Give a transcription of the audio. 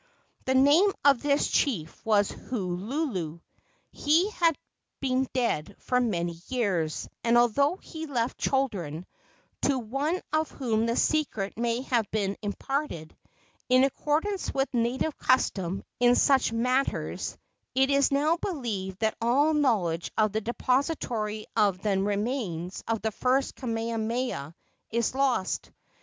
The name of this chief was Hoolulu. He has been dead for many years; and although he left children, to one of whom the secret may have been imparted, in accordance with native custom in such matters, it is now believed that all knowledge of the depository of the remains of the first Kamehameha is lost.